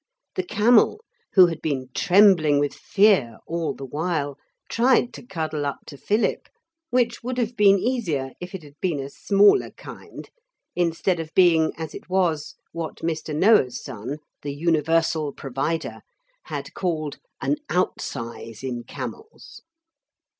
The camel, who had been trembling with fear all the while, tried to cuddle up to Philip, which would have been easier if it had been a smaller kind instead of being, as it was, what Mr. Noah's son, the Universal Provider, had called, 'an out size in camels.'